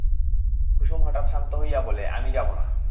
কুসুম হঠাৎ শান্ত হইয়া বলে, আমি যাব না।